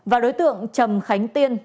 và đối tượng trầm khánh tiên